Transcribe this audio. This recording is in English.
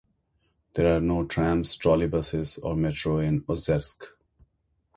There are no trams, trolleybuses, or metro in Ozersk.